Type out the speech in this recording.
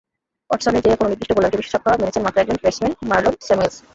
ওয়াটসনের চেয়ে কোনো নির্দিষ্ট বোলারকে বেশি ছক্কা মেরেছেন মাত্র একজন ব্যাটসম্যান—মারলন স্যামুয়েলস।